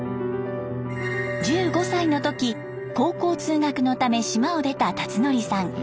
１５歳の時高校通学のため島を出た辰徳さん。